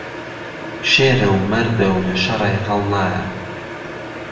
شێره و مهرده و لە شەڕێ ههڵنایه